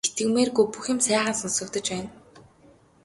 Итгэмээргүй бүх юм сайхан сонсогдож байна.